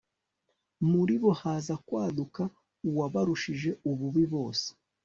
muri bo haza kwaduka uwabarushije ububi bose